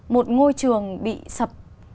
một ngôi trường bị sập